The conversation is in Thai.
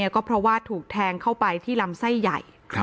ก็เพราะว่าถูกแทงเข้าไปที่ลำไส้ใหญ่